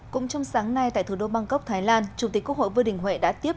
cũng trong sáng nay tại thủ đô bangkok thái lan chủ tịch quốc hội vương đình huệ đã tiếp